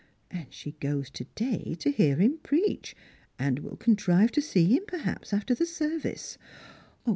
And she goes to day to hear him preach, and will contrive to see him perhaps after the service.